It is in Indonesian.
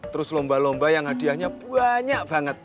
terus lomba lomba yang hadiahnya banyak banget